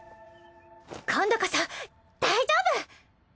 今度こそ大丈夫！